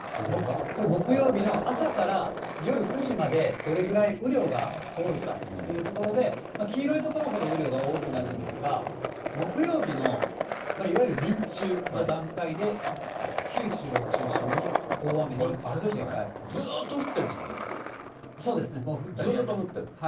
これ木曜日の朝から夜９時まで、どれぐらい雨量が多いかっていうところで、黄色い所ほど雨量が多くなるんですが、木曜日のいわゆる日中の段これ、あれですかね、ずっとそうですね、もう降ったりやずっと降ってる？